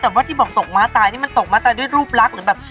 แต่ว่าที่บอกตกม้าตายนี่มันตกม้าตายด้วยรูปลักษณ์หรือแบบ